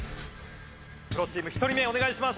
プロチーム１人目お願いします。